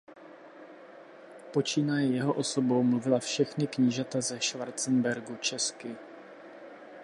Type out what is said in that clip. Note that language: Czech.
Počínaje jeho osobou mluvila všechna knížata ze Schwarzenbergu česky.